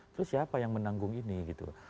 terus siapa yang menanggung ini gitu